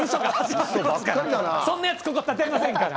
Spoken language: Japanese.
そんな奴ここ立てませんから。